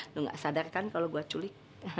lu gak sadarkan kalau gue culik